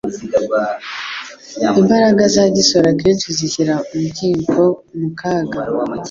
Imbaraga za gisore akenshi zishyira umbyimko mu kaga,